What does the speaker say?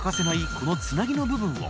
この「つなぎ」の部分を△